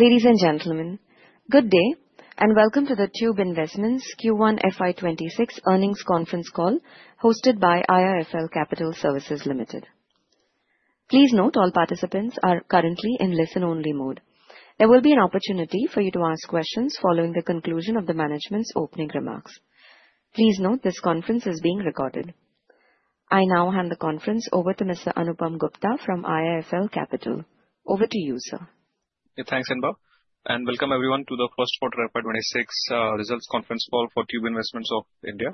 Ladies and gentlemen, good day and welcome to the Tube Investments Q1 FY 2026 earnings conference call hosted by IIFL Capital Services Limited. Please note all participants are currently in listen-only mode. There will be an opportunity for you to ask questions following the conclusion of the management's opening remarks. Please note this conference is being recorded. I now hand the conference over to Mr. Anupam Gupta from IIFL Capital. Over to you, sir. Thanks, [Anupam]. Welcome everyone to the First Quarter FY 2026 Results Conference Call for Tube Investments of India.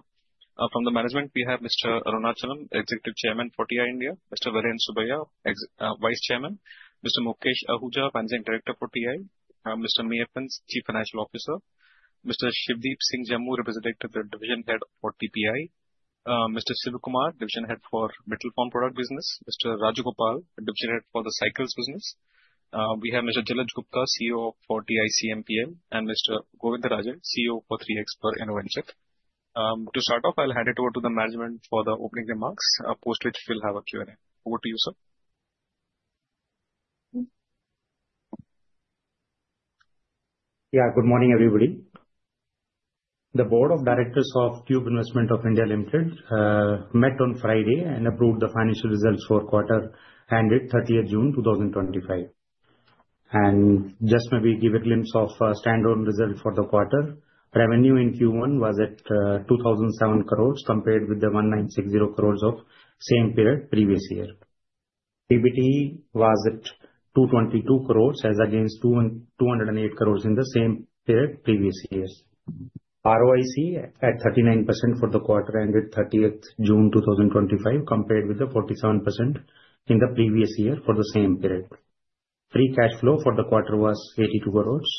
From the management, we have Mr. Arunachalam, Executive Chairman for TI India, Mr. Vellayan Subbiah, Vice Chairman, Mr. Mukesh Ahuja, Managing Director for TI, Mr. Meyyappan, Chief Financial Officer, Mr. Shivdeep Singh Jammu, Representative for the Division Head for TPI, Mr. Sivakumar, Division Head for Metal Form Products Business, Mr. Rajagopal, Division Head for the Cycles Business, Mr. Jalaj Gupta, CEO of TI CMPL, and Mr. Govindarajan, CEO for 3xper Innovation. To start off, I'll hand it over to the management for the opening remarks, post which we'll have a Q&A. Over to you, sir. Yeah, good morning everybody. The Board of Directors of Tube Investments of India Limited met on Friday and approved the financial results for quarter 1, 30th June 2025. Just maybe give a glimpse of standalone results for the quarter. Revenue in Q1 was at 2,007 crores compared with the 1,960 crores of same period previous year. EBITDA was at 222 crores as against 208 crores in the same period previous year. ROIC at 39% for the quarter ended 30th June 2025 compared with 47% in the previous year for the same period. Free cash flow for the quarter was 82 crores.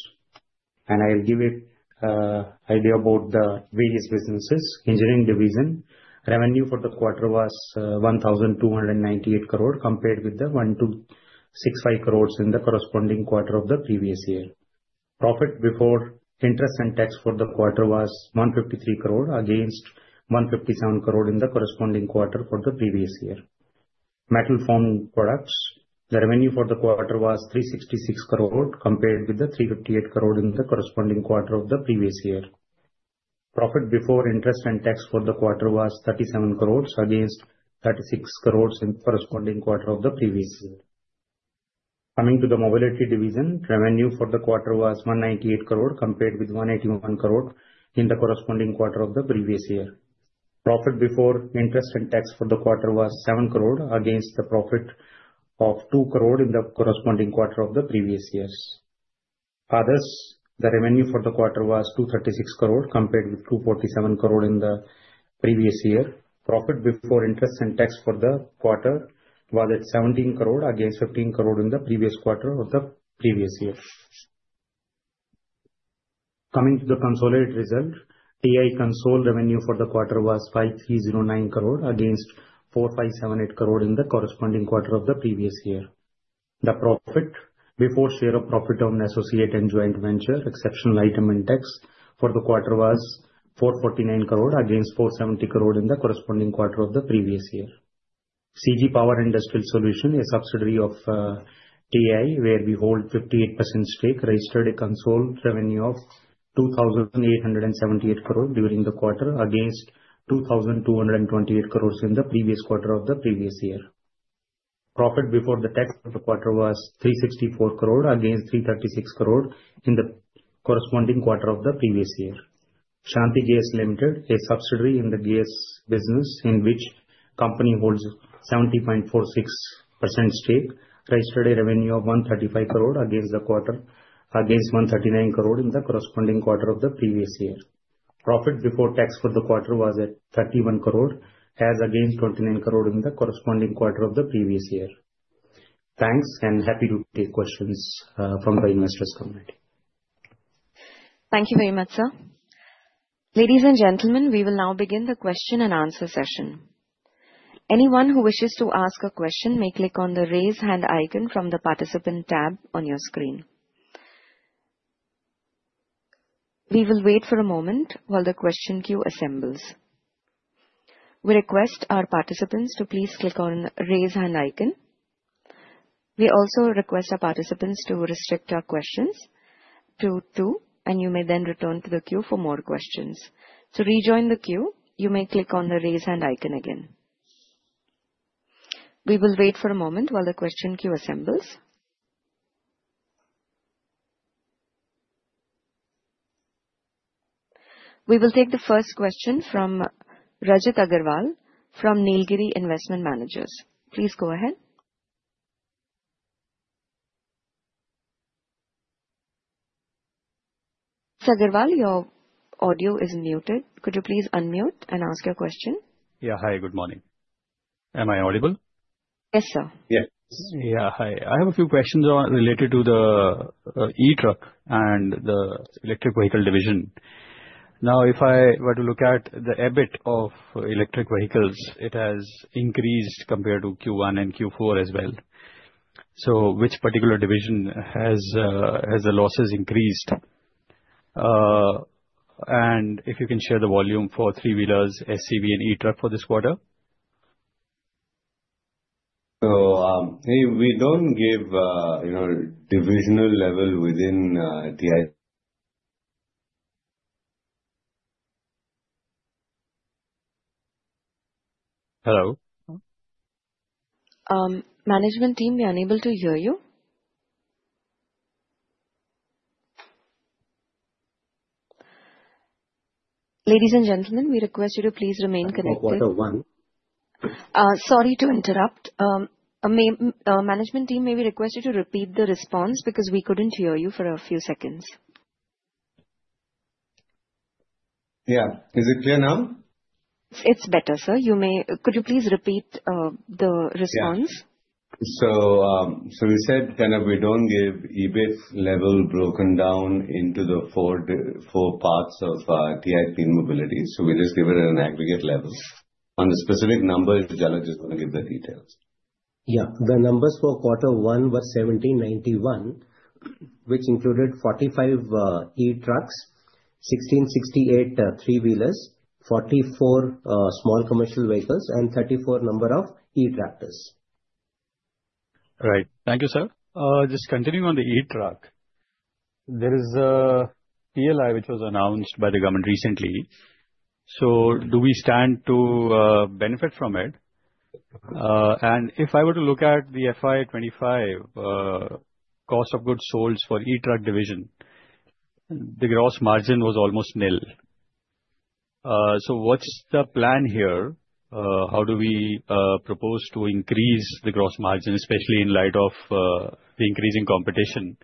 I'll give you an idea about the various businesses. Engineering division revenue for the quarter was 1,298 crores compared with 1,265 crores in the corresponding quarter of the previous year. Profit before interest and tax for the quarter was 153 crores against 157 crores in the corresponding quarter for the previous year. Metal Form Products, the revenue for the quarter was 366 crores compared with 358 crores in the corresponding quarter of the previous year. Profit before interest and tax for the quarter was 37 crores against 36 crores in the corresponding quarter of the previous year. Coming to the Mobility division, revenue for the quarter was 198 crores compared with 181 crores in the corresponding quarter of the previous year. Profit before interest and tax for the quarter was 7 crores against the profit of 2 crores in the corresponding quarter of the previous year. Others, the revenue for the quarter was 236 crores compared with 247 crores in the previous year. Profit before interest and tax for the quarter was at 17 crores against 15 crores in the previous quarter of the previous year. Coming to the consolidated result, TI consolidated revenue for the quarter was 5,309 crores against 4,578 crores in the corresponding quarter of the previous year. The profit before share of profit on associate and joint venture exceptional item and tax for the quarter was 449 crores against 470 crores in the corresponding quarter of the previous year. CG Power Industrial Solutions, a subsidiary of TI, where we hold 58% stake, registered a consolidated revenue of 2,878 crores during the quarter against 2,228 crores in the previous quarter of the previous year. Profit before tax for the quarter was 364 crores against 336 crores in the corresponding quarter of the previous year. Shanthi Gears Limited, a subsidiary in the gears business in which the company holds 70.46% stake, registered a revenue of 135 crores during the quarter against 139 crores in the corresponding quarter of the previous year. Profit before tax for the quarter was at 31 crores as against 29 crores in the corresponding quarter of the previous year. Thanks and happy to take questions from the investors' side. Thank you very much, sir. Ladies and gentlemen, we will now begin the question and answer session. Anyone who wishes to ask a question may click on the raise hand icon from the participant tab on your screen. We will wait for a moment while the question queue assembles. We request our participants to please click on the raise hand icon. We also request our participants to restrict our questions to two, and you may then return to the queue for more questions. To rejoin the queue, you may click on the raise hand icon again. We will wait for a moment while the question queue assembles. We will take the first question from Rajat Aggarwal from Nilgiri Investment Managers. Please go ahead. Mr. Aggarwal, your audio is muted. Could you please unmute and ask your question? Yeah, hi, good morning. Am I audible? Yes, sir. Yeah, hi. I have a few questions related to the e-truck and the electric vehicle division. If I were to look at the EBIT of electric vehicles, it has increased compared to Q1 and Q4 as well. Which particular division has the losses increased? If you can share the volume for three-wheelers, SCV, and e-truck for this quarter. We don't give a divisional level within TI. Hello? Management team, we are unable to hear you. Ladies and gentlemen, we request you to please remain connected. for quarter one. Sorry to interrupt. Management team, may we request you to repeat the response because we couldn't hear you for a few seconds. Yeah, is it clear now? It's better, sir. Could you please repeat the response? Yeah, we said we don't give EBIT level broken down into the four parts of TIP Mobility. We just give it at an aggregate level. On the specific numbers, Jalaj can give more details. Yeah, the numbers for quarter one were 1,791, which included 45 e-trucks, 1,668 three-wheelers, 44 small commercial vehicles, and 34 numbers of e-tractors. Right. Thank you, sir. Just continuing on the e-truck, there is a PLI which was announced by the government recently. Do we stand to benefit from it? If I were to look at the FY 2025 cost of goods sold for the e-truck division, the gross margin was almost nil. What's the plan here? How do we propose to increase the gross margin, especially in light of the increasing competition?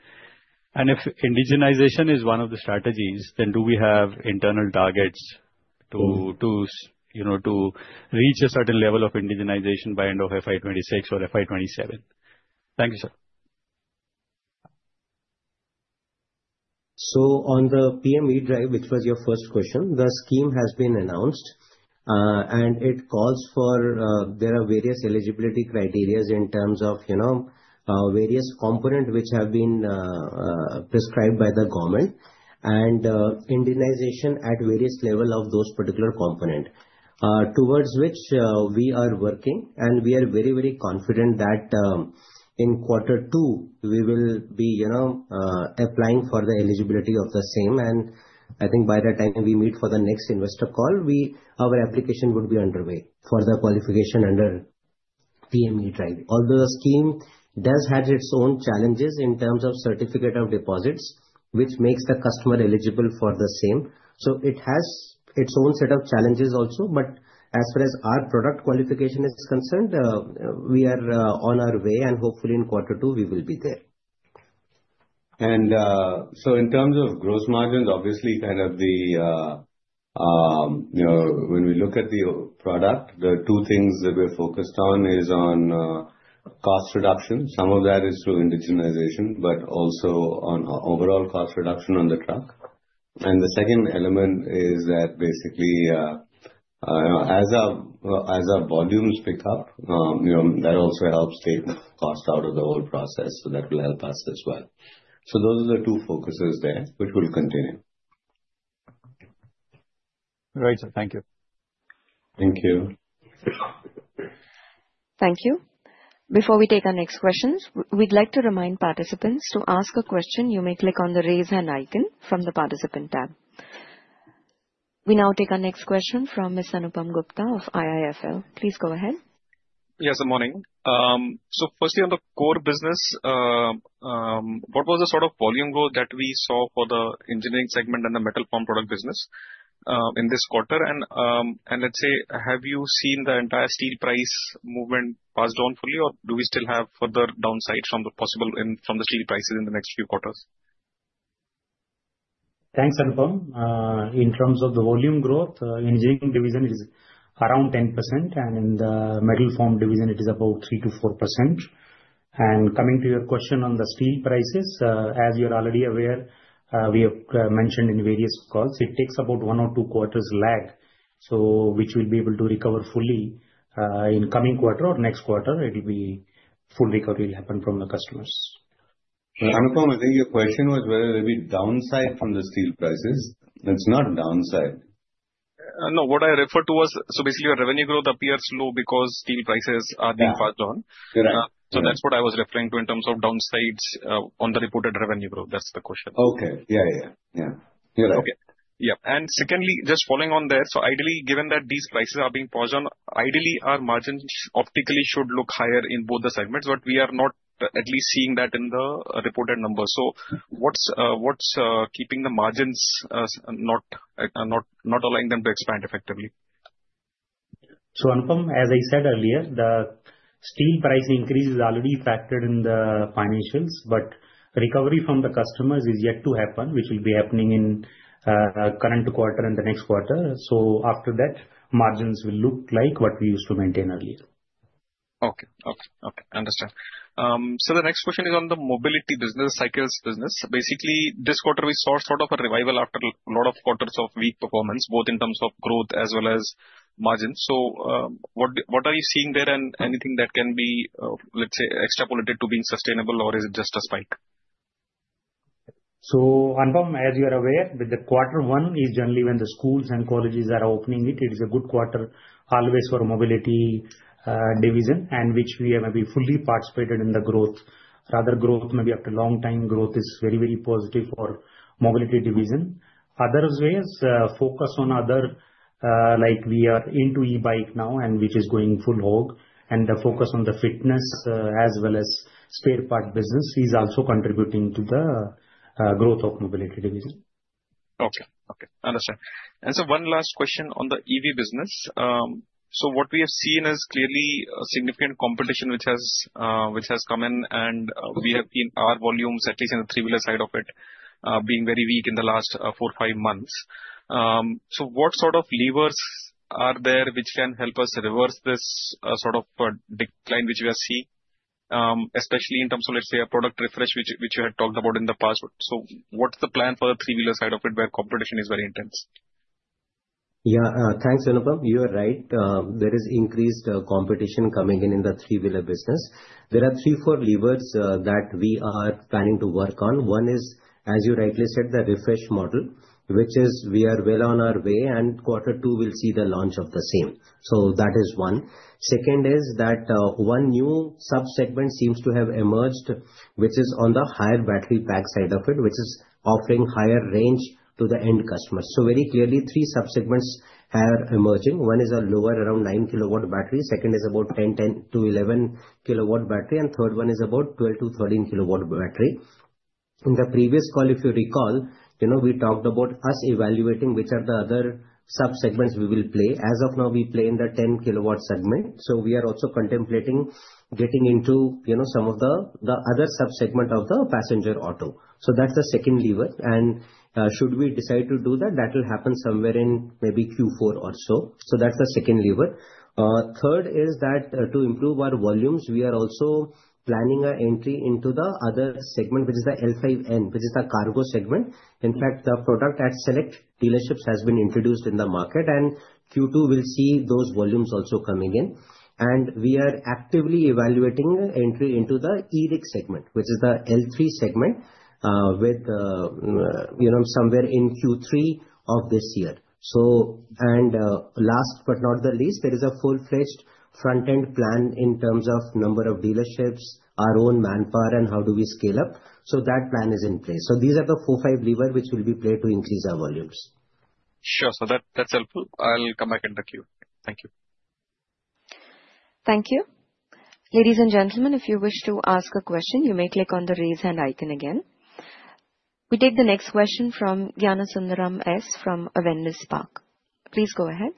If indigenization is one of the strategies, do we have internal targets to reach a certain level of indigenization by end of FY 2026 or FY 2027? Thank you, sir. On the PMV drive, which was your first question, the scheme has been announced. It calls for various eligibility criteria in terms of various components which have been prescribed by the government and indigenization at various levels of those particular components, towards which we are working. We are very, very confident that in quarter two, we will be applying for the eligibility of the same. I think by the time we meet for the next investor call, our application would be underway for the qualification under PMV drive. Although the scheme does have its own challenges in terms of certificate of deposits, which makes the customer eligible for the same, it has its own set of challenges also. As far as our product qualification is concerned, we are on our way. Hopefully, in quarter two, we will be there. In terms of gross margins, obviously, when we look at the product, the two things that we're focused on are on cost reduction. Some of that is through indigenization, but also on overall cost reduction on the truck. The second element is that basically, as our volumes pick up, that also helps take cost out of the whole process. That will help us as well. Those are the two focuses there, which will continue. Right, sir. Thank you. Thank you. Thank you. Before we take our next questions, we'd like to remind participant. To ask a question, you may click on the raise hand icon from the participant tab. We now take our next question from Mr. Anupam Gupta of IIFL. Please go ahead. Yes, good morning. Firstly, on the core business, what was the sort of volume growth that we saw for the engineering segment and the metal form product business in this quarter? Have you seen the entire steel price movement passed on fully, or do we still have further downsides from the possible steel prices in the next few quarters? Thanks, Anupam. In terms of the volume growth, the Engineering division is around 10% and the Metal Form division, it is about 3%-4%. Coming to your question on the steel prices, as you're already aware, we have mentioned in various calls, it takes about one or two quarters lag, which we'll be able to recover fully in the coming quarter or next quarter. It'll be full recovery happening from the customers. Anupam, I think your question was whether there'll be downside from the steel prices. There's not a downside. No, what I referred to was, basically, your revenue growth appears low because steel prices are being passed on. [You're right.] That's what I was referring to in terms of downsides on the reported revenue growth. That's the question. Yeah, yeah, yeah. You're right. OK, yeah. Secondly, just following on there, ideally, given that these prices are being passed on, our margins optically should look higher in both the segments. We are not at least seeing that in the reported numbers. What's keeping the margins not allowing them to expand effectively? As I said earlier, the steel price increase is already factored in the financials. Recovery from the customers is yet to happen, which will be happening in the current quarter and the next quarter. After that, margins will look like what we used to maintain earlier. Understood. The next question is on the mobility business, cycles business. Basically, this quarter, we saw sort of a revival after a lot of quarters of weak performance, both in terms of growth as well as margins. What are you seeing there? Anything that can be, let's say, extrapolated to being sustainable? Is it just a spike? Anupam, as you're aware, the quarter one is generally when the schools and colleges are opening. It is a good quarter always for mobility division, in which we have fully participated in the growth. Rather, growth maybe after a long time, growth is very, very positive for mobility division. Otherwise, focus on other, like we are into e-bike now, and which is going full hog. The focus on the fitness as well as spare part business is also contributing to the growth of mobility division. OK, understood. One last question on the EV business. What we have seen is clearly a significant competition which has come in. We have seen our volumes, at least in the three-wheeler side of it, being very weak in the last four or five months. What sort of levers are there which can help us reverse this sort of decline, which we are seeing, especially in terms of, let's say, a product refresh, which we had talked about in the past? What's the plan for the three-wheeler side of it where competition is very intense? Yeah, thanks, Anupam. You're right. There is increased competition coming in in the three-wheeler business. There are three or four levers that we are planning to work on. One is, as you rightly said, the refresh model, which is we are well on our way, and quarter two will see the launch of the same. That is one. Second is that one new subsegment seems to have emerged, which is on the higher battery pack side of it, which is offering higher range to the end customers. Very clearly, three subsegments are emerging. One is a lower, around 9 kW battery. Second is about 10-11 kW battery. Third one is about 12-13 kW battery. In the previous call, if you recall, we talked about us evaluating which are the other subsegments we will play. As of now, we play in the 10 kW segment. We are also contemplating getting into some of the other subsegments of the passenger auto. That's the second lever, and should we decide to do that, that will happen somewhere in maybe Q4 or so. That's the second lever. Third is that to improve our volumes, we are also planning an entry into the other segment, which is the L5N, which is the cargo segment. In fact, the product at select dealerships has been introduced in the market, and Q2 will see those volumes also coming in. We are actively evaluating the entry into the EV segment, which is the L3 segment, with somewhere in Q3 of this year. Last but not the least, there is a full-fledged front-end plan in terms of number of dealerships, our own manpower, and how do we scale up. That plan is in place. These are the four or five levers which will be played to increase our volumes. Sure, that's helpful. I'll come back in the queue. Thank you. Thank you. Ladies and gentlemen, if you wish to ask a question, you may click on the raise hand icon again. We take the next question from Gnanasundaram S. from Avendus Spark. Please go ahead.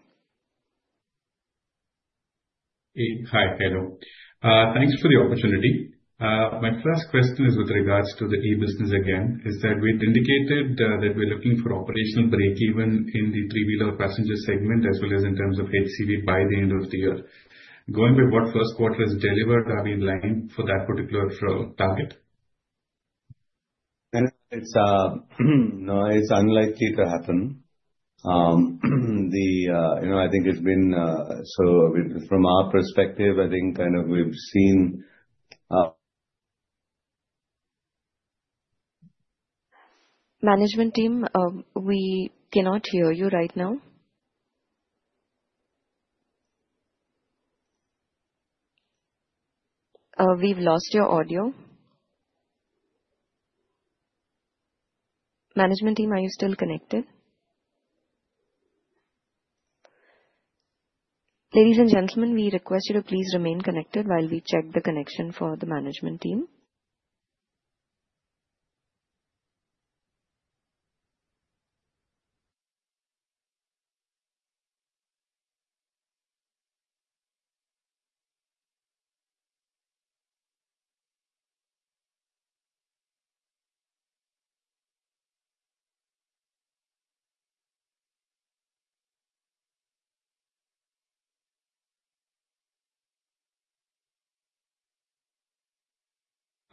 Hi, hello. Thanks for the opportunity. My first question is with regards to the E-business again. Is that we've indicated that we're looking for operational break-even in the three-wheeler or passenger segment, as well as in terms of FCV by the end of the year. Going by what first quarter has delivered, are we aligned for that particular target? It's unlikely to happen. I think it's been so from our perspective, I think we've seen. Management team, we cannot hear you right now. We've lost your audio. Management team, are you still connected? Ladies and gentlemen, we request you to please remain connected while we check the connection for the management team.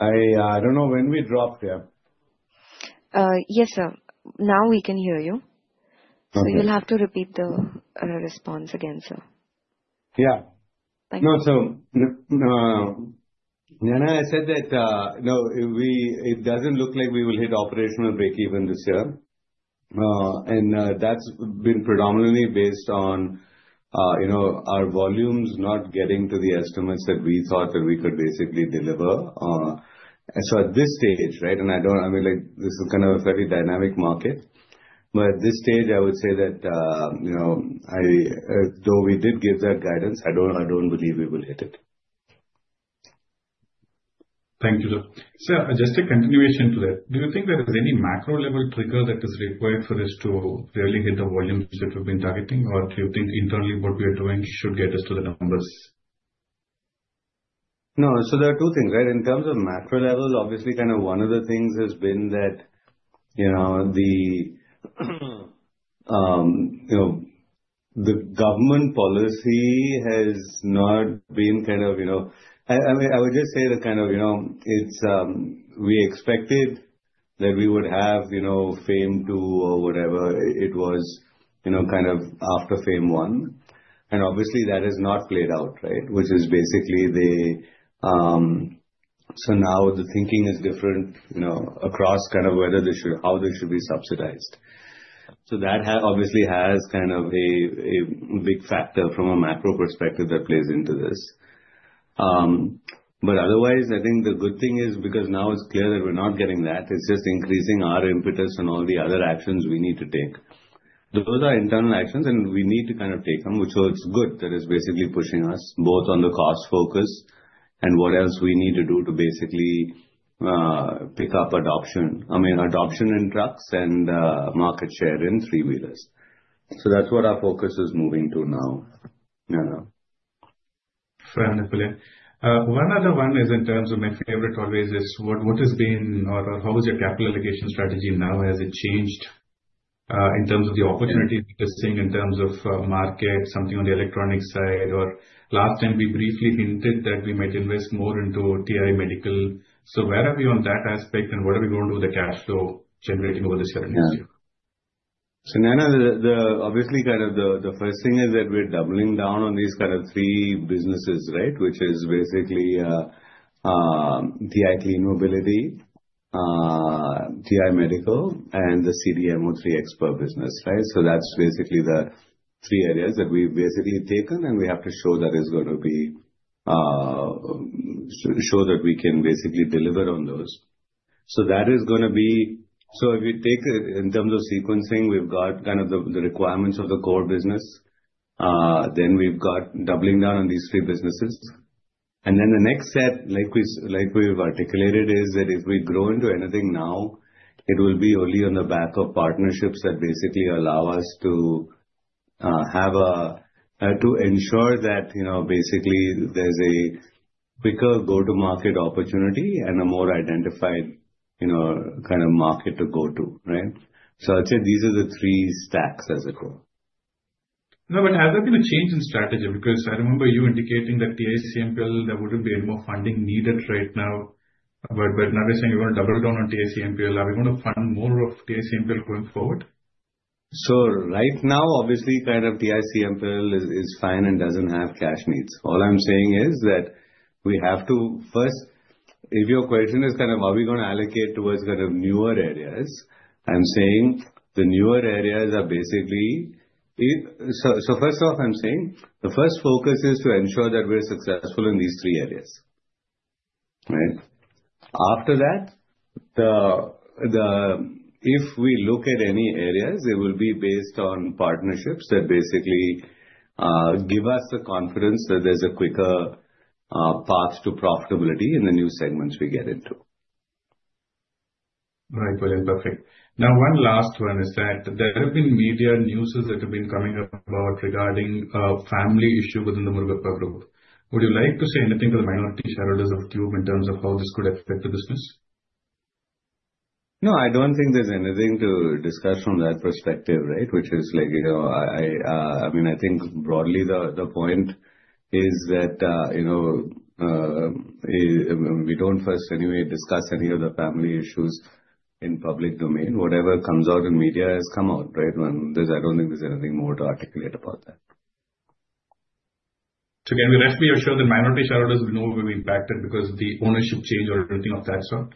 I don't know when we dropped there. Yes, sir, now we can hear you. OK. You'll have to repeat the response again, sir. Yeah. Thank you. No. Gnana, I said that, no, it doesn't look like we will hit operational break-even this year. That's been predominantly based on our volumes not getting to the estimates that we thought that we could basically deliver. At this stage, this is kind of a fairly dynamic market. At this stage, I would say that, though we did give that guidance, I don't believe we will hit it. Thank you, sir. Sir, just a continuation to that. Do you think there is any macro-level trigger that is required for us to really hit the volumes that we've been targeting? Or do you think internally what we are doing should get us to the numbers? No. There are two things, right? In terms of macro level, obviously, one of the things has been that the government policy has not been, I mean, I would just say that we expected that we would have FAME II or whatever it was after FAME I. Obviously, that has not played out, which is basically the, so now the thinking is different across whether they should, how they should be subsidized. That obviously has a big factor from a macro perspective that plays into this. Otherwise, I think the good thing is because now it's clear that we're not getting that, it's just increasing our impetus and all the other actions we need to take. Those are internal actions, and we need to take them, which is good. That is basically pushing us both on the cost focus and what else we need to do to pick up adoption, I mean, adoption in trucks and market share in three-wheelers. That's what our focus is moving to now. Fair and clear. One other one is in terms of my favorite always is what has been or how was your capital allocation strategy now? Has it changed in terms of the opportunity? Just seeing in terms of market, something on the electronics side. Last time, we briefly hinted that we might invest more into TI Medical. Where are we on that aspect? What are we going to do with the cash flow generating over this year? Yeah. Nana, obviously, the first thing is that we're doubling down on these three businesses, which is basically TI Clean Mobility, TI Medical, and the CDMO 3xper business. That's basically the three areas that we've taken. We have to show that we can deliver on those. If you take it in terms of sequencing, we've got the requirements of the core business, then we've got doubling down on these three businesses. The next step, like we've articulated, is that if we grow into anything now, it will be only on the back of partnerships that allow us to ensure that there's a quicker go-to-market opportunity and a more identified market to go to. I'd say these are the three stacks as a core. No, has there been a change in strategy? I remember you indicating that TICMPL, there wouldn't be any more funding needed right now. Now you're saying you're going to double down on TICMPL. Are we going to fund more of TICMPL going forward? Right now, obviously, TICMPL is fine and doesn't have cash needs. All I'm saying is that we have to first, if your question is how are we going to allocate towards newer areas, I'm saying the newer areas are basically, the first focus is to ensure that we're successful in these three areas, right? After that, if we look at any areas, it will be based on partnerships that give us the confidence that there's a quicker path to profitability in the new segments we get into. Right, Vellayan. Perfect. Now, one last one is that there have been media news that have been coming up about regarding a family issue within the Murugappa Group. Would you like to say anything to the minority shareholders of Tube in terms of how this could affect the business? No, I don't think there's anything to discuss from that perspective, right, which is like, you know, I mean, I think broadly the point is that, you know, we don't first anyway discuss any of the family issues in the public domain. Whatever comes out in media has come out, right? I don't think there's anything more to articulate about that. Can we roughly assure the minority shareholders we know will be impacted because the ownership change or anything of that sort?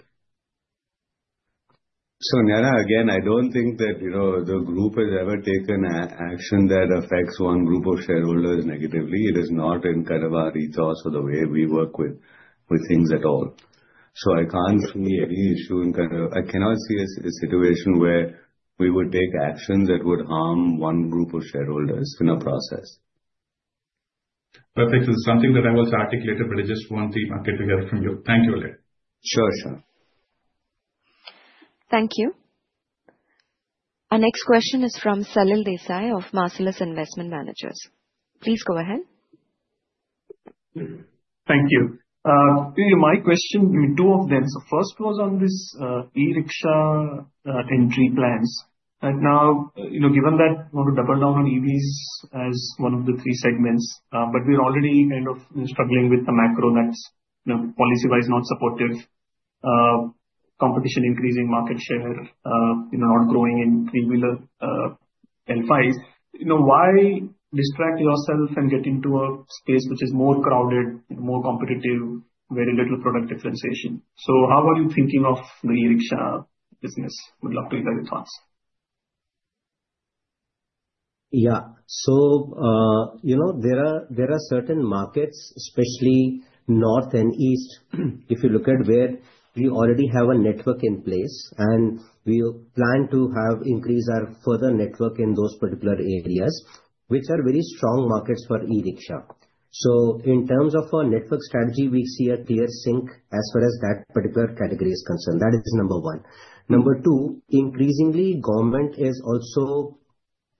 I don't think that, you know, the group has ever taken an action that affects one group of shareholders negatively. It is not in kind of our ethos or the way we work with things at all. I can't see any issue in kind of, I cannot see a situation where we would take actions that would harm one group of shareholders in a process. Perfect. It was something that I was articulating, but I just want the articulation from you. Thank you again. Sure, sure. Thank you. Our next question is from Salil Desai of Marcellus Investment Managers. Please go ahead. Thank you. My question, two of them. First was on this e-rickshaw entry plans. Now, you know, given that we want to double down on EVs as one of the three segments, but we're already kind of struggling with the macro that's policy-wise not supportive, competition increasing, market share, you know, not growing in three-wheeler N5s, why distract yourself and get into a space which is more crowded, more competitive, very little product differentiation? How are you thinking of the e-rickshaw business? We'd love to hear your thoughts. Yeah. There are certain markets, especially North and East, if you look at where we already have a network in place. We plan to have increased our further network in those particular areas, which are very strong markets for e-rickshaw. In terms of our network strategy, we see a clear sync as far as that particular category is concerned. That is number one. Number two, increasingly, government is also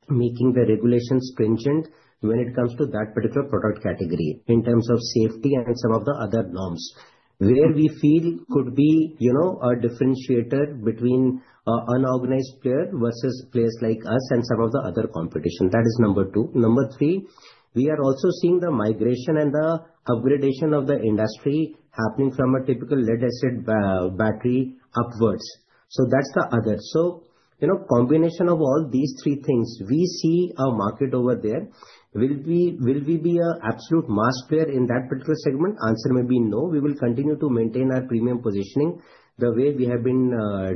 making the regulations stringent when it comes to that particular product category in terms of safety and some of the other norms, where we feel could be a differentiator between an unorganized player versus players like us and some of the other competition. That is number two. Number three, we are also seeing the migration and the upgradation of the industry happening from a typical lead-acid battery upwards. That's the other. Combination of all these three things, we see a market over there. Will we be an absolute mass player in that particular segment? Answer may be no. We will continue to maintain our premium positioning the way we have been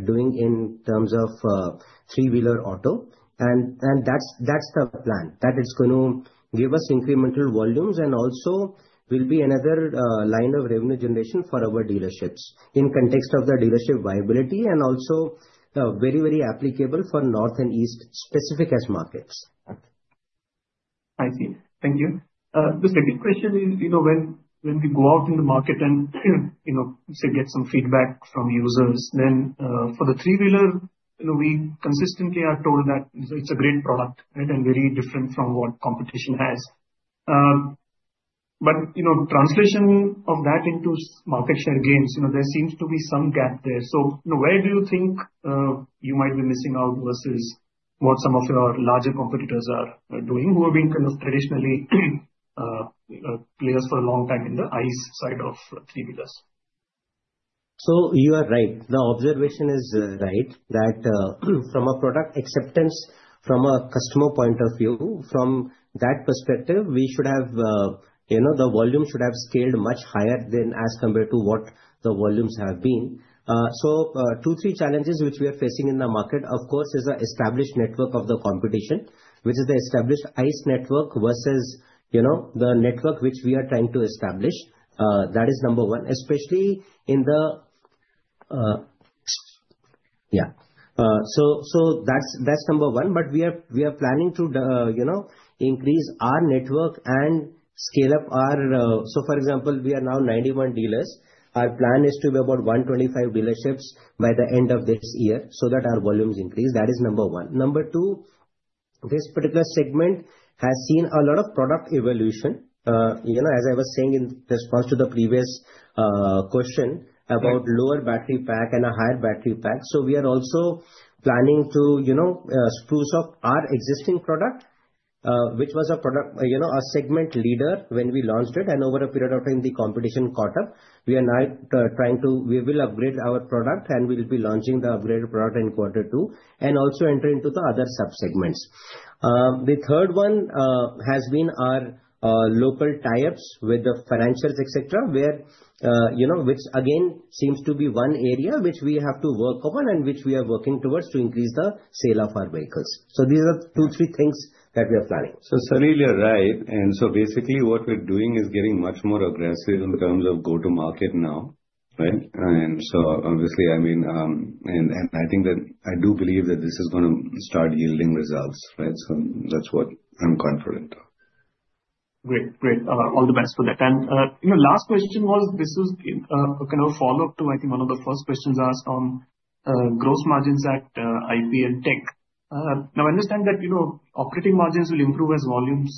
doing in terms of three-wheeler auto. That's the plan, that it's going to give us incremental volumes. Also, it will be another line of revenue generation for our dealerships in the context of the dealership viability and also very, very applicable for North and East-specific markets. I see. Thank you. The second question is, you know, when we go out in the market and we get some feedback from users, then for the three-wheeler, we consistently are told that it's a great product and very different from what competition has. The translation of that into market share gains, there seems to be some gap there. Where do you think you might be missing out versus what some of your larger competitors are doing, who have been kind of traditionally players for a long time in the ICE side of three-wheelers? You are right. The observation is right that from a product acceptance, from a customer point of view, from that perspective, we should have, you know, the volume should have scaled much higher than as compared to what the volumes have been. Two, three challenges which we are facing in the market, of course, is the established network of the competition, which is the established ICE network versus the network which we are trying to establish. That is number one, especially in the, yeah. That's number one. We are planning to increase our network and scale up our, for example, we are now 91 dealers. Our plan is to have about 125 dealerships by the end of this year so that our volumes increase. That is number one. Number two, this particular segment has seen a lot of product evolution. As I was saying in response to the previous question about lower battery pack and a higher battery pack, we are also planning to spruce up our existing product, which was a product, a segment leader when we launched it. Over a period of time, the competition caught up. We are now trying to, we will upgrade our product. We'll be launching the upgraded product in quarter two and also enter into the other subsegments. The third one has been our local tie-ups with the financials, et cetera, which again seems to be one area which we have to work on and which we are working towards to increase the sale of our vehicles. These are two, three things that we are planning. Salil, you're right. Basically, what we're doing is getting much more aggressive in terms of go-to-market now, right? I mean, I think that I do believe that this is going to start yielding results, right? That's what I'm confident of. Great, great. All the best for that. Last question was, this is a kind of a follow-up to, I think, one of the first questions asked on gross margins at IPL Tech. I understand that, you know, operating margins will improve as volumes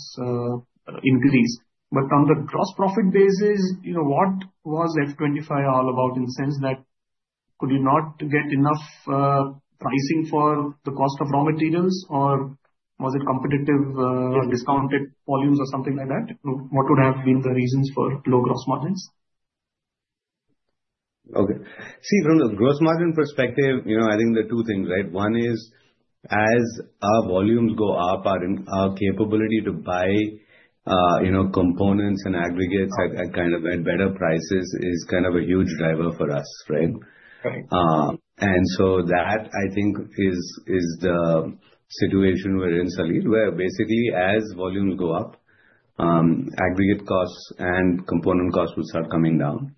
increase. On the gross profit basis, what was [F25] all about in the sense that could you not get enough pricing for the cost of raw materials? Was it competitive or discounted volumes or something like that? What would have been the reasons for low gross margins? OK. See, from the gross margin perspective, you know, I think there are two things, right? One is, as our volumes go up, our capability to buy, you know, components and aggregates at kind of better prices is kind of a huge driver for us, right? Right. I think that is the situation we're in, Salil, where basically, as volumes go up, aggregate costs and component costs will start coming down.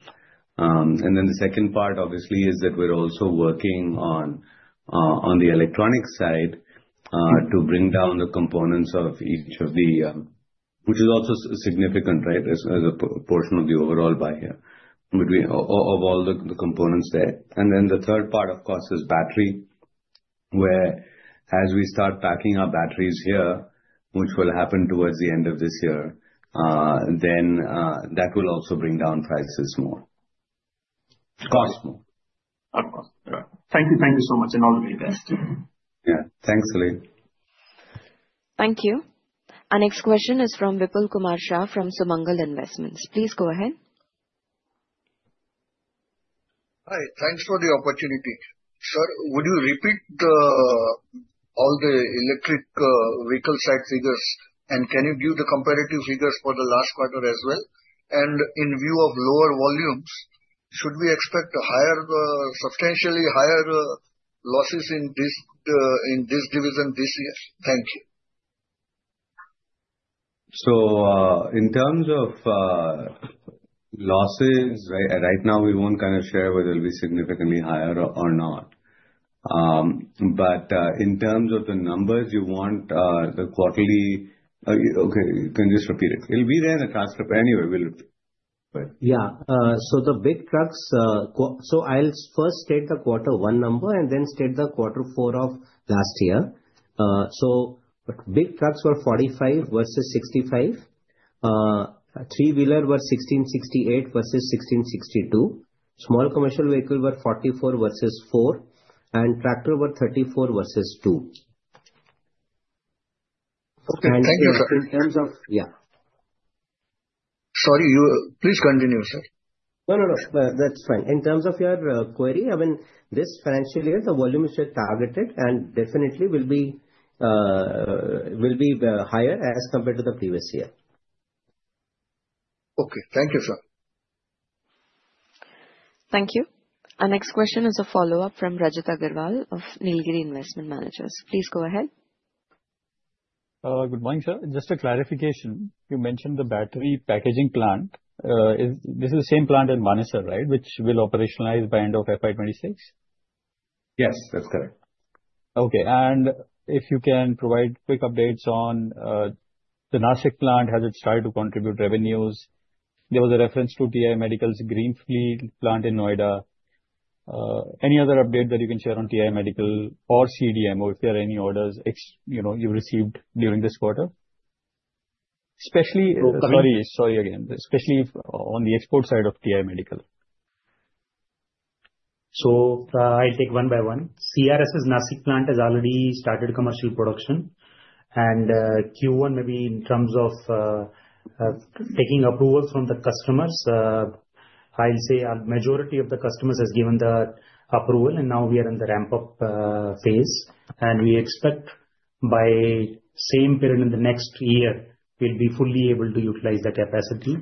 The second part, obviously, is that we're also working on the electronics side to bring down the components of each of the, which is also significant, right, as a portion of the overall buy here of all the components there. The third part, of course, is battery, where, as we start packing our batteries here, which will happen towards the end of this year, that will also bring down prices more, cost more. Of course. Thank you. Thank you so much. All the very best. Yeah, thanks, Salil. Thank you. Our next question is from Vipulkumar Shah from Sumangal Investments. Please go ahead. Hi. Thanks for the opportunity. Sir, would you repeat all the electric vehicle side figures? Can you do the comparative figures for the last quarter as well? In view of lower volumes, should we expect substantially higher losses in this division this year? Thank you. In terms of losses, right now, we won't kind of share whether it will be significantly higher or not. In terms of the numbers, you want the quarterly? OK, can you just repeat it? It'll be there in the transcript anyway. Yeah. The big trucks, I'll first state the quarter one number and then state the quarter four of last year. Big trucks were 45 versus 65. Three-wheeler was 1,668 versus 1,662. Small commercial vehicle were 44 versus 4. Tractor were 34 versus 2. In terms of. Yeah. Sorry, please continue, sir. No, that's fine. In terms of your query, I mean, this financial year, the volume is still targeted and definitely, it will be higher as compared to the previous year. OK. Thank you, sir. Thank you. Our next question is a follow-up from Rajit Aggarwal of Nilgiri Investment Managers. Please go ahead. Good morning, sir. Just a clarification. You mentioned the battery packaging plant. This is the same plant as Manesar, right, which will operationalize by end of FY 2026? Yes, that's correct. OK. If you can provide quick updates on the Nashik plant, has it started to contribute revenues? There was a reference to TI Medical's greenfield plant in Noida. Any other update that you can share on TI Medical or CDMO if there are any orders you received during this quarter? Especially on the export side of TI Medical. I'll take one by one. CRS' Nashik plant has already started commercial production. In Q1, in terms of taking approvals from the customers, I'll say a majority of the customers have given the approval. We are in the ramp-up phase and expect by the same period in the next year, we'll be fully able to utilize the capacity.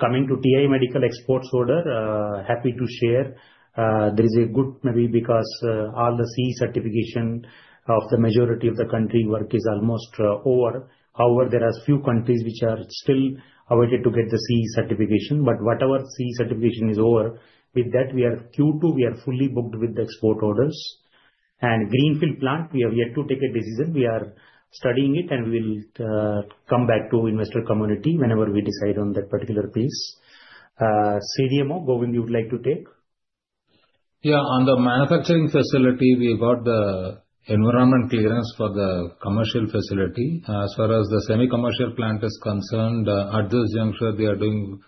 Coming to TI Medical exports order, happy to share there is a good maybe because all the CE certifications of the majority of the country work is almost over. However, there are a few countries which are still awaiting to get the CE certification. Whatever CE certification is over, with that, in Q2, we are fully booked with the export orders. The Greenfield plant, we have yet to take a decision. We are studying it and will come back to the investor community whenever we decide on that particular piece. CDMO, Govind, you would like to take? Yeah. On the manufacturing facility, we got the environment clearance for the commercial facility. As far as the semi-commercial plant is concerned, at this juncture, they are doing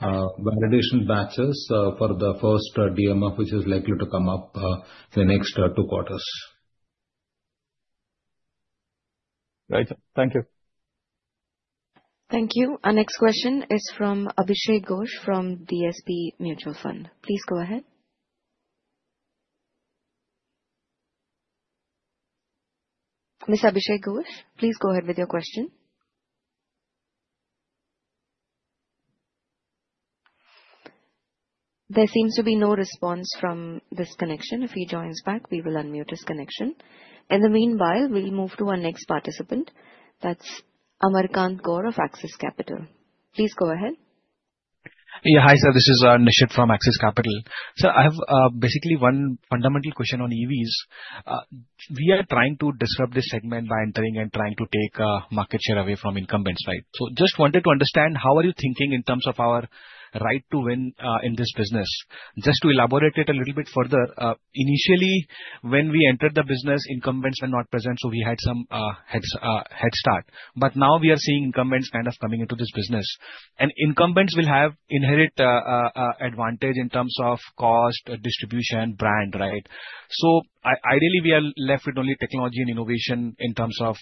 validation batches for the first DMF, which is likely to come up in the next two quarters. Right. Thank you. Thank you. Our next question is from Abhishek Ghosh from DSP Mutual Fund. Please go ahead. Mr. Abhishek Ghosh, please go ahead with your question. There seems to be no response from this connection. If he joins back, we will unmute his connection. In the meanwhile, we'll move to our next participant. That's Amar Kant Gaur of Axis Capital. Please go ahead. Yeah. Hi, sir. This is Nishit from Axis Capital. Sir, I have basically one fundamental question on EVs. We are trying to disrupt this segment by entering and trying to take market share away from incumbents, right? I just wanted to understand how are you thinking in terms of our right to win in this business? Just to elaborate it a little bit further, initially, when we entered the business, incumbents were not present. We had some head start. Now we are seeing incumbents kind of coming into this business. Incumbents will have inherent advantage in terms of cost, distribution, brand, right? Ideally, we are left with only technology and innovation in terms of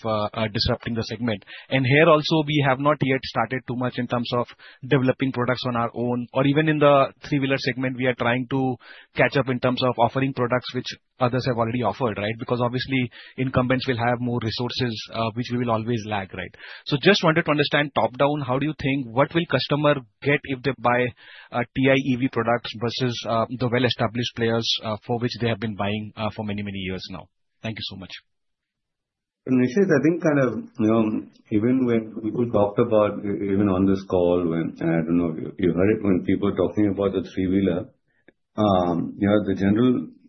disrupting the segment. Here also, we have not yet started too much in terms of developing products on our own. Even in the three-wheeler segment, we are trying to catch up in terms of offering products which others have already offered, right? Obviously, incumbents will have more resources, which we will always lack, right? I just wanted to understand top down, how do you think what will customers get if they buy TI EV products versus the well-established players for which they have been buying for many, many years now? Thank you so much. Nishit, I think, even when we could talk about even on this call, I don't know if you heard it, when people are talking about the three-wheeler,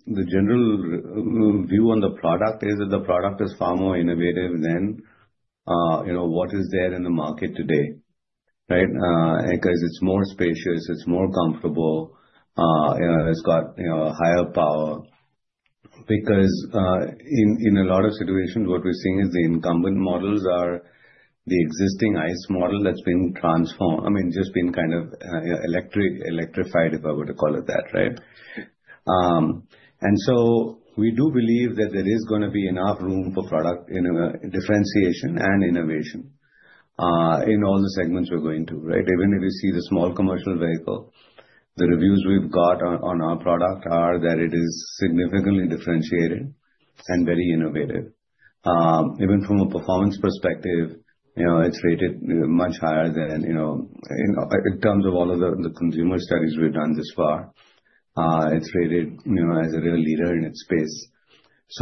the general view on the product is that the product is far more innovative than what is there in the market today, right? It is more spacious, more comfortable, and has higher power. In a lot of situations, what we're seeing is the incumbent models are the existing ICE model that's been transformed, just been electrified, if I were to call it that, right? We do believe that there is going to be enough room for product differentiation and innovation in all the segments we're going to, right? If you see the small commercial vehicle, the reviews we've got on our product are that it is significantly differentiated and very innovative. Even from a performance perspective, it's rated much higher than, in terms of all of the consumer studies we've done this far, it's rated as a real leader in its space.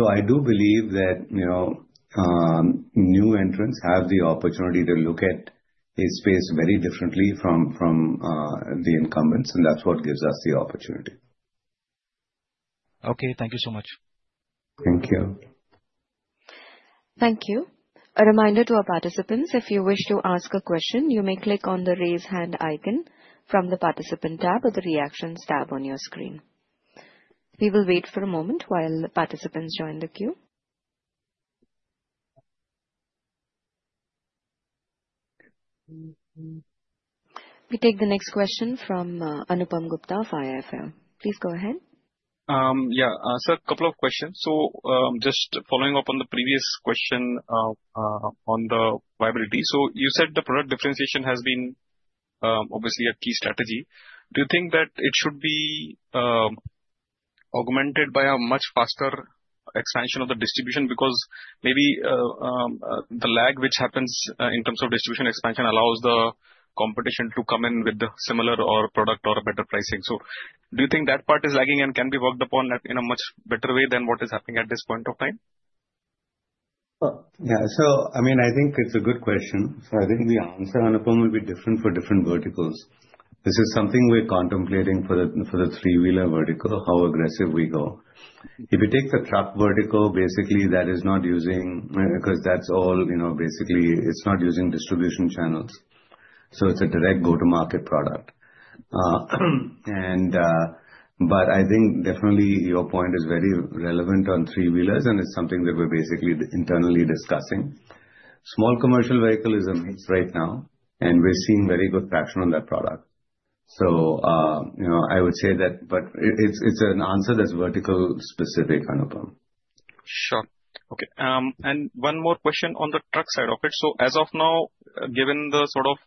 I do believe that new entrants have the opportunity to look at a space very differently from the incumbents. That's what gives us the opportunity. OK, thank you so much. Thank you. Thank you. A reminder to our participants, if you wish to ask a question, you may click on the raise hand icon from the participant tab or the reactions tab on your screen. We will wait for a moment while the participants join the queue. We take the next question from Anupam Gupta of IIFL. Please go ahead. Yeah. Sir, a couple of questions. Just following up on the previous question on the viability. You said the product differentiation has been obviously a key strategy. Do you think that it should be augmented by a much faster expansion of the distribution? Maybe the lag, which happens in terms of distribution expansion, allows the competition to come in with a similar product or better pricing. Do you think that part is lagging and can be worked upon in a much better way than what is happening at this point of time? Yeah, I think it's a good question. I think the answer, Anupam, will be different for different verticals. This is something we're contemplating for the three-wheeler vertical, how aggressive we go. If you take the truck vertical, basically, that is not using distribution channels. It's a direct go-to-market product. I think definitely your point is very relevant on three-wheelers, and it's something that we're basically internally discussing. Small commercial vehicle is a mix right now, and we're seeing very good traction on that product. I would say that it's an answer that's vertical-specific, Anupam. Sure. OK. One more question on the truck side of it. As of now, given the sort of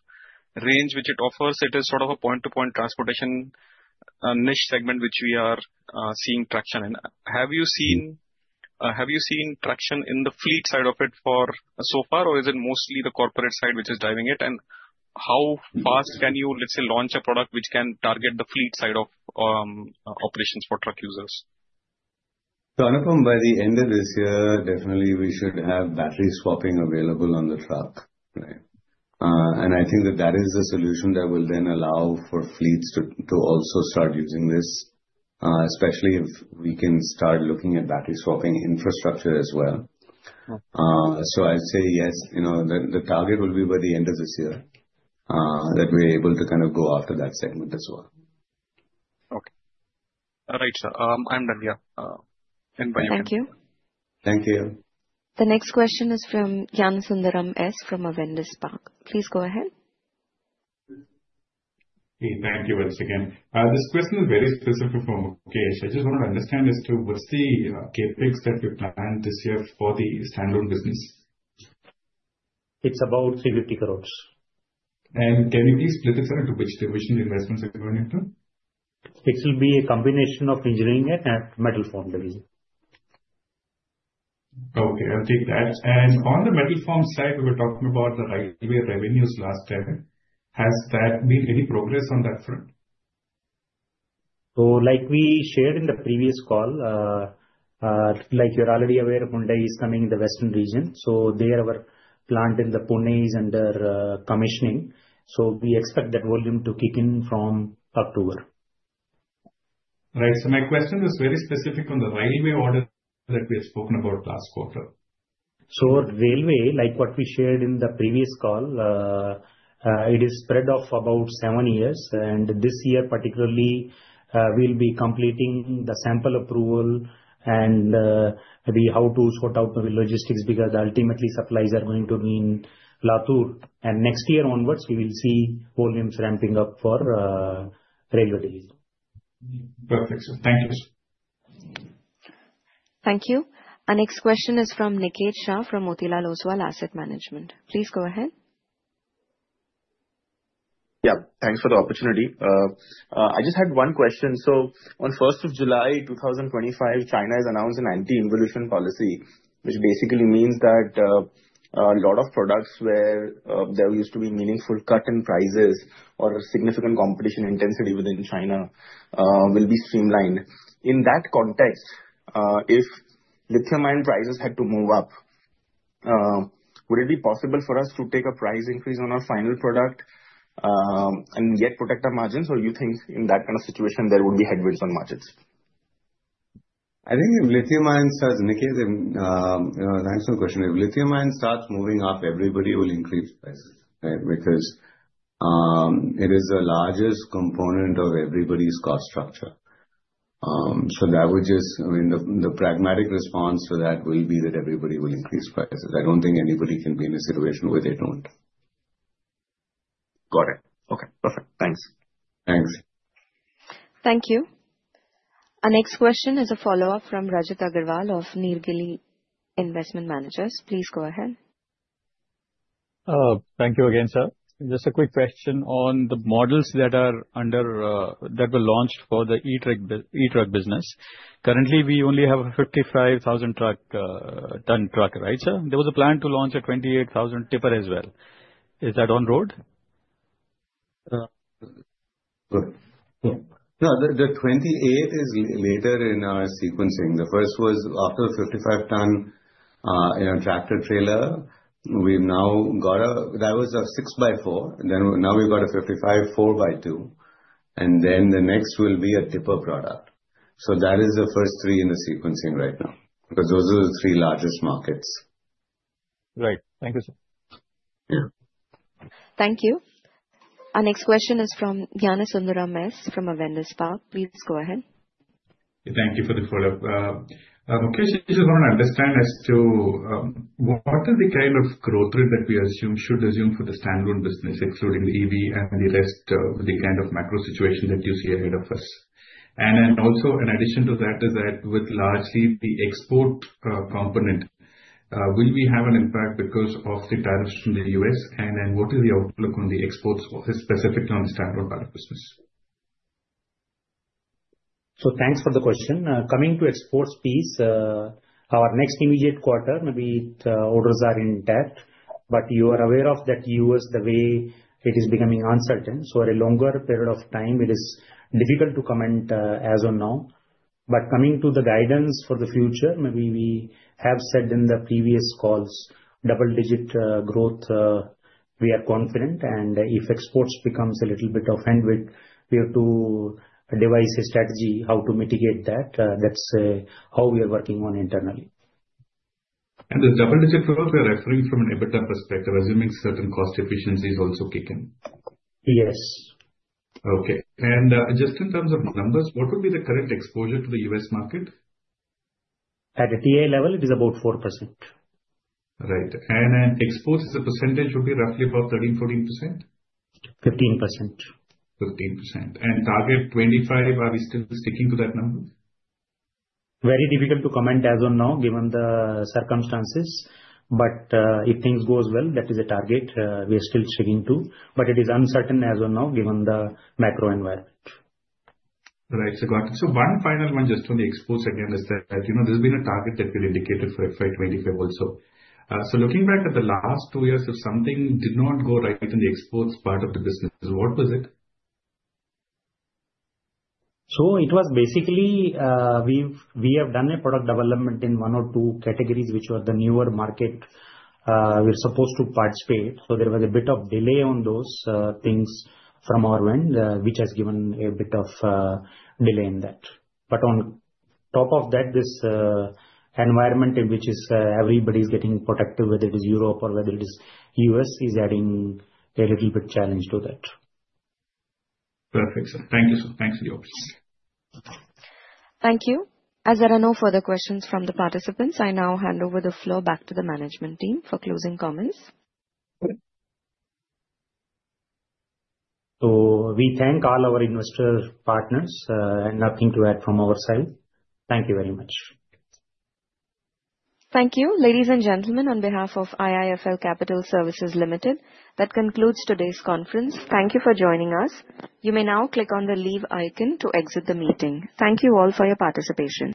range which it offers, it is sort of a point-to-point transportation niche segment, which we are seeing traction in. Have you seen traction in the fleet side of it so far? Is it mostly the corporate side which is driving it? How fast can you, let's say, launch a product which can target the fleet side of operations for truck users? Anupam, by the end of this year, definitely, we should have battery swapping available on the truck, right? I think that that is a solution that will then allow for fleets to also start using this, especially if we can start looking at battery swapping infrastructure as well. I'd say, yes, the target will be by the end of this year that we're able to kind of go after that segment as well. OK. All right, sir. I'm done. Yeah. Thank you. Thank you. The next question is from Gnanasundaram S. from Avendus Spark. Please go ahead. Thank you, [Gnana again]. This question is very specific for Mukesh. I just want to understand as to what's the KPIs that you plan this year for the standalone business. It's about 350 crore. Can you please specify into which division investments are going into? It will be a combination of Engineering and Metal Form division. OK, I'll take that. On the Metal Form side, we were talking about the revenues last year. Has there been any progress on that front? Like we shared in the previous call, like you're already aware, Hyundai is coming in the Western region. They are our plant in Pune is under commissioning. We expect that volume to kick in from October. Right. My question is very specific on the railway order that we have spoken about last quarter. Railway, like what we shared in the previous call, is spread over about seven years. This year, particularly, we'll be completing the sample approval and maybe have to sort out the logistics because ultimately, supplies are going to be in Latur. Next year onwards, we will see volumes ramping up for the railway division. Perfect. Thank you. Thank you. Our next question is from Niket Shah from Motilal Oswal Asset Management. Please go ahead. Thanks for the opportunity. I just had one question. On 1st of July, 2025, China has announced an anti-inflation policy, which basically means that a lot of products where there used to be meaningful cut in prices or significant competition intensity within China will be streamlined. In that context, if lithium-ion prices had to move up, would it be possible for us to take a price increase on our final product and yet protect our margins? Do you think in that kind of situation, there would be headwinds on margins? I think if lithium-ion starts, Niket, you know, nice question. If lithium-ion starts moving up, everybody will increase prices, right? Because it is the largest component of everybody's cost structure. That would just, I mean, the pragmatic response to that will be that everybody will increase prices. I don't think anybody can be in a situation where they don't. Got it. OK. Perfect. Thanks. Thanks. Thank you. Our next question is a follow-up from Rajit Aggarwal of Nilgiri Investment Managers. Please go ahead. Thank you again, sir. Just a quick question on the models that were launched for the e-truck business. Currently, we only have a 55,000-ton truck, ton truck, right, sir? There was a plan to launch a 28,000 tipper as well. Is that on road? The 28 is later in our sequencing. The first was after a 55-ton tractor-trailer. We've now got a that was a 6x4. Now we've got a 55 4x2, and the next will be a tipper product. That is the first three in the sequencing right now because those are the three largest markets. Right. Thank you, sir. Thank you. Our next question is from Gnanasundaram S. from Avendus Spark. Please go ahead. Thank you for the follow-up. Mukesh, I just want to understand as to what are the kind of growth rate that we should assume for the standalone business, excluding the EV and the rest of the kind of macro situation that you see ahead of us? In addition to that, is that with largely the export component, will we have an impact because of the tariffs in the U.S.? What is the outlook on the exports specific to the standalone product business? Thanks for the question. Coming to the exports piece, our next immediate quarter, maybe orders are intact. You are aware that the U.S., the way it is becoming uncertain, a longer period of time, it is difficult to comment as of now. Coming to the guidance for the future, maybe we have said in the previous calls, double-digit growth, we are confident. If exports become a little bit offhand with your two devices strategy, how to mitigate that, that's how we are working on internally. Is double-digit growth, we're referring from an EBITDA perspective, assuming certain cost efficiencies also kick in? Yes. OK. Just in terms of numbers, what would be the current exposure to the U.S. market? At the TI level, it is about 4%. Right. Exports, the percentage would be roughly about 13%, 14%? 15%. 15%. Target 25%, are we still sticking to that number? Very difficult to comment as of now given the circumstances. If things go well, that is the target we are still sticking to. It is uncertain as of now given the macro environment. Right. One final one just on the exports again is that, you know, there's been a target that we indicated for FY 2025 also. Looking back at the last two years, if something did not go right between the exports part of the business, what was it? We have done a product development in one or two categories, which were the newer market we're supposed to participate. There was a bit of delay on those things from our end, which has given a bit of delay in that. On top of that, this environment in which everybody is getting protected, whether it is Europe or whether it is U.S., is adding a little bit of challenge to that. Perfect, sir. Thank you, sir. Thanks, and yours. Thank you. As there are no further questions from the participants, I now hand over the floor back to the management team for closing comments. We thank all our investor partners. Nothing to add from our side. Thank you very much. Thank you, ladies and gentlemen, on behalf of IIFL Capital Services Limited, that concludes today's conference. Thank you for joining us. You may now click on the leave icon to exit the meeting. Thank you all for your participation.